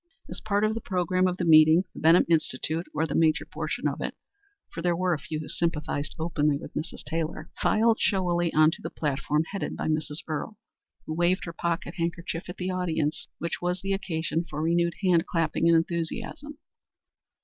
As a part of the programme of the meeting the Benham Institute, or the major portion of it (for there were a few who sympathized openly with Mrs. Taylor), filed showily on to the platform headed by Mrs. Earle, who waved her pocket handkerchief at the audience, which was the occasion for renewed hand clapping and enthusiasm.